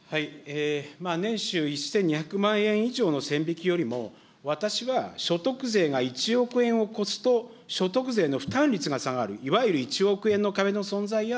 年収１２００万円以上の線引きよりも、私は所得税が１億円を超すと所得税の負担率が下がる、いわゆる１億円の壁の存在や、